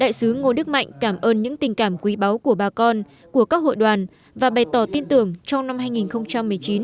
đại sứ ngô đức mạnh cảm ơn những tình cảm quý báu của bà con của các hội đoàn và bày tỏ tin tưởng trong năm hai nghìn một mươi chín